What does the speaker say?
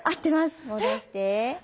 戻して。